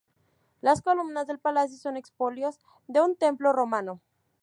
Las columnas del palacio son expolios de un templo romano.